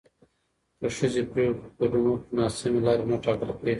که ښځې پرېکړو کې ګډون وکړي، ناسمې لارې نه ټاکل کېږي.